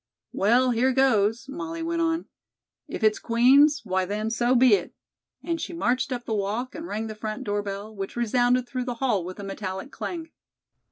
"Well, here goes," Molly went on. "If it's Queen's, why then, so be it," and she marched up the walk and rang the front door bell, which resounded through the hall with a metallic clang.